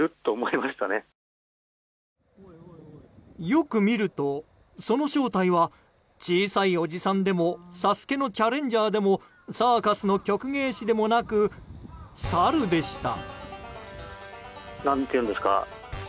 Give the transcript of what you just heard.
よく見ると、その正体は小さいおじさんでも「ＳＡＳＵＫＥ」のチャレンジャーでもサーカスの曲芸師でもなくサルでした。